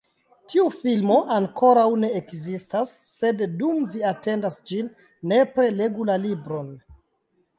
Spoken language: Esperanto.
Tiu filmo ankoraŭ ne ekzistas, sed dum vi atendas ĝin, nepre legu la libron!